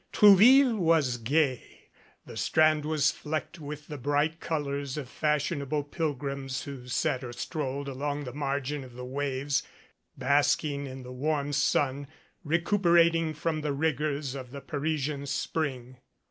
Trou ville was gay. The strand was flecked with the bright colors of fashionable pilgrims who sat or strolled along the margin of the waves, basking in the warm sun, re cuperating from the rigors of the Parisian spring.